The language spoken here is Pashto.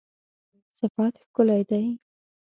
صفت ښکلی دی